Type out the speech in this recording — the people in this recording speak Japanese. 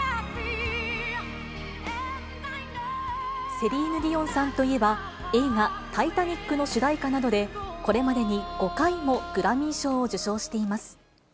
セリーヌ・ディオンさんといえば、映画、タイタニックの主題歌などで、これまでに５回もグラミー賞を受賞しています。